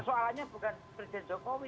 saya bukan presiden jokowi